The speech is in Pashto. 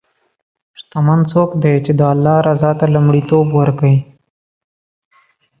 شتمن څوک دی چې د الله رضا ته لومړیتوب ورکوي.